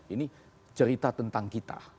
ini cerita tentang kita